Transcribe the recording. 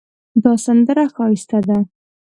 دا سندره ښایسته ده